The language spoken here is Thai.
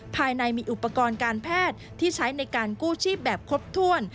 ภายในมีอุปกรณ์การแพทย์ที่ใช้ในการกู้ชีพแบบครบถ้วน